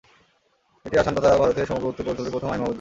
এটি আসাম তথা ভারতের সমগ্র উত্তর-পূর্বাঞ্চলের প্রথম আইন মহাবিদ্যালয়।